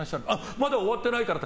まだ終わってないからって。